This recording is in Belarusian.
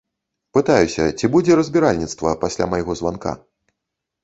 Пытаюся, ці будзе разбіральніцтва пасля майго званка.